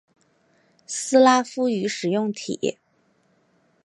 斯拉夫语使用体。